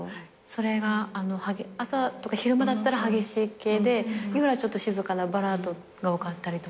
それが朝とか昼間だったら激しい系で夜はちょっと静かなバラードが多かったりとか。